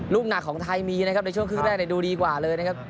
ลูกหนักของไทยมีในช่วงครึ่งแรกดูดีกว่าเลย